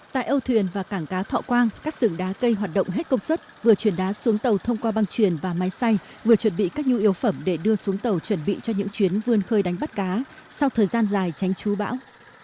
tại âu thuyền và cảng cá thọ quang các xưởng đá cây hoạt động hết công suất vừa chuyển đá xuống tàu thông qua băng truyền và máy xay vừa chuẩn bị các nhu yếu phẩm để đưa xuống tàu chuẩn bị cho những chuyến vươn khơi đánh bắt cá sau thời gian dài tránh chú bão